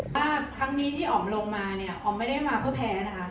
ถ้าครั้งนี้ที่อ๋อมลงมาเนี่ยอ๋อมไม่ได้มาเพื่อแพ้นะคะ